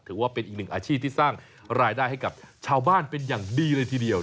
ถือว่าเป็นอีกหนึ่งอาชีพที่สร้างรายได้ให้กับชาวบ้านเป็นอย่างดีเลยทีเดียว